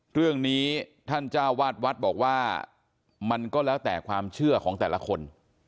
เรื่องนี้ท่านเจ้าวาดวัดบอกว่ามันก็แล้วแต่ความเชื่อของแต่ละคน